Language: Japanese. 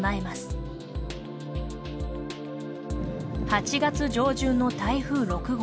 ８月上旬の台風６号。